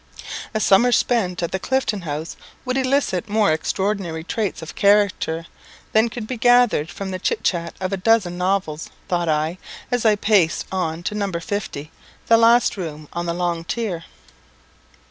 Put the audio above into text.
"A summer spent at the Clifton House would elicit more extraordinary traits of character than could be gathered from the chit chat of a dozen novels," thought I, as I paced on to No. 50, the last room on the long tier.